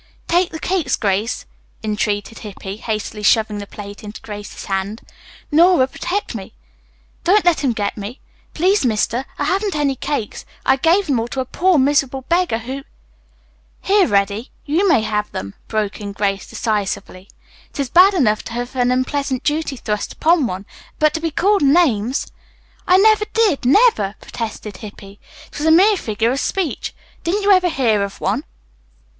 "Take the cakes, Grace," entreated Hippy, hastily shoving the plate into Grace's hand. "Nora, protect me. Don't let him get me. Please, mister, I haven't any cakes. I gave them all to a poor, miserable beggar who " "Here, Reddy, you may have them," broke in Grace decisively. "It is bad enough to have an unpleasant duty thrust upon one, but to be called names!" "I never did, never," protested Hippy. "It was a mere figure of speech. Didn't you ever hear of one?"